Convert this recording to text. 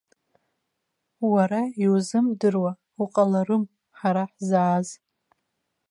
Уара иузымдыруа уҟаларым ҳара ҳзааз.